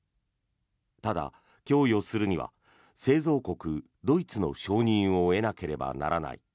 ただ、供与するには製造国ドイツの承認を得なければならない。